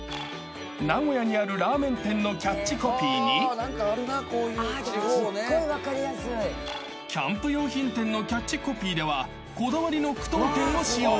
［名古屋にあるラーメン店のキャッチコピーにキャンプ用品店のキャッチコピーではこだわりの句読点を使用］